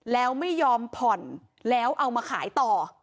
แล้วไม่ยอมผ่อนแล้วเอามาขายต่อ